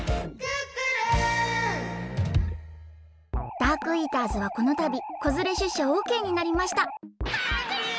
ダークイーターズはこのたびこづれしゅっしゃオッケーになりましたハングリー！